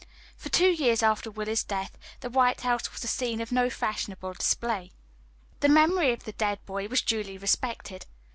For two years after Willie's death the White House was the scene of no fashionable display. The memory of the dead boy was duly respected.